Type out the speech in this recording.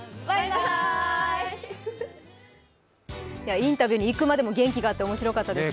インタビューにいくまでも元気があって、よかったですね。